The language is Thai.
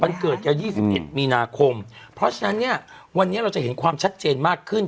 เกิดจะ๒๑มีนาคมเพราะฉะนั้นเนี่ยวันนี้เราจะเห็นความชัดเจนมากขึ้น